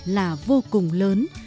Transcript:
là vô cùng lớn